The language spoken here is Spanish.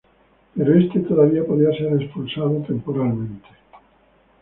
Pero este todavía podía ser expulsado temporalmente.